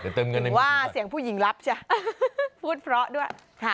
หรือว่าเสียงผู้หญิงรับจ้ะพูดเพราะด้วยค่ะ